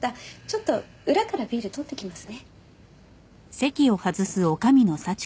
ちょっと裏からビール取ってきますね。